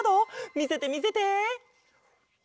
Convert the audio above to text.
みせてみせて！